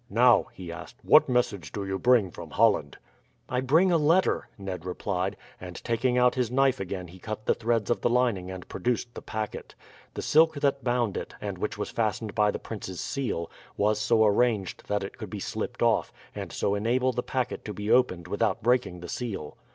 "Now," he asked, "what message do you bring from Holland?" "I bring a letter," Ned replied; and taking out his knife again he cut the threads of the lining and produced the packet. The silk that bound it, and which was fastened by the prince's seal, was so arranged that it could be slipped off, and so enable the packet to be opened without breaking the seal.